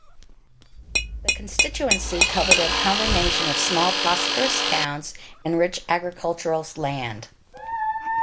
The constituency covered a combination of small prosperous towns and rich agricultural land.